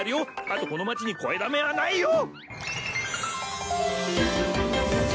あとこの町に肥だめはないよ！